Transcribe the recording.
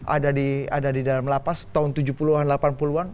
ada di dalam lapas tahun tujuh puluh an delapan puluh an